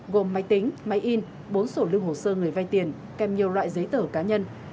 gồm máy tính máy in bốn sổ lưu hồ sơ người vay tiền kèm nhiều loại giấy tờ cá nhân